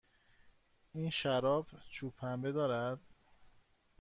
این شراب چوب پنبه دارد.